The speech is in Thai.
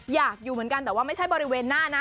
อยากอยู่เหมือนกันแต่ว่าไม่ใช่บริเวณหน้านะ